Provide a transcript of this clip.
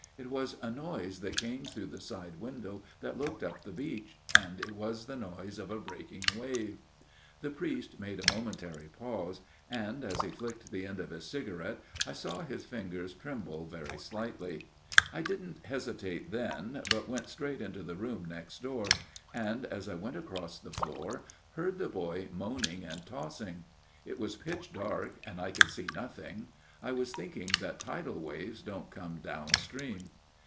" It was a noise that came through the side window that looked up the beach, and it was the noise of a breaking wave." The priest made a momentary pause, and, as he flicked the end of his cigarette, I saw his fingers tremble very slightly. " I didn't hesitate then, but went straight into FATHER BRENTS TALE 65 the room next door, and as I went across the floor heard the boy moaning and tossing. It was pitch dark and I could see nothing. I was thinking that tidal waves don't come down stream.